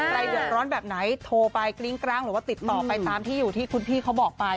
ใครเดือดร้อนแบบไหนโทรไปกริ้งกร้างหรือว่าติดต่อไปตามที่อยู่ที่คุณพี่เขาบอกไป